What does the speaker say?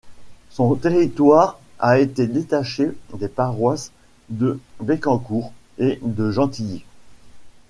Son territoire a été détaché des paroisses de Bécancour et de Gentilly.